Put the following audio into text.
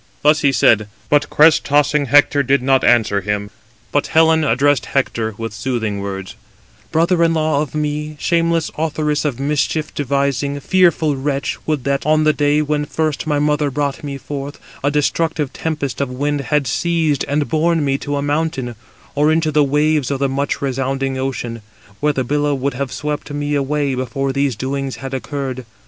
Thus he said, but crest tossing Hector did not answer him. But Helen addressed him [Hector] with soothing words: "Brother in law of me, shameless authoress of mischief devising, fearful wretch, would that, on the day when first my mother brought me forth, a destructive tempest of wind had seized and borne me to a mountain, or into the waves of the much resounding ocean, where the billow would have swept me away before these doings had occurred.